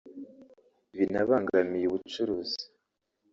binabangamiye ubucuruzi